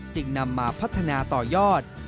จึงนำมาพัฒนาต่อยอด